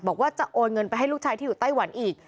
บอกว่าจะโอนเงินไปให้ลูกชายที่อยู่ไต้หวันอีก